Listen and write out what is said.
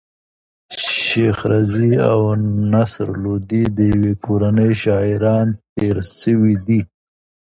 شېخ رضي او نصر لودي د ېوې کورنۍ شاعران تېر سوي دي.